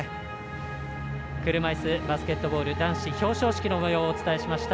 車いすバスケットボール男子表彰式のもようお伝えしました。